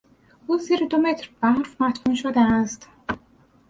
او زیر دو متر برف مدفون شده است.